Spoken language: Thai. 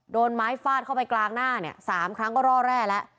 โดนไม้ฟาดเข้าไปกลางหน้าเนี่ย๓ครั้งก็ร่อแร่แล้ว